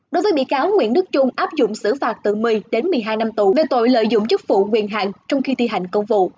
đối với bị cáo nguyễn đức trung áp dụng xử phạt từ một mươi đến một mươi hai năm tù về tội lợi dụng chức vụ quyền hạn trong khi thi hành công vụ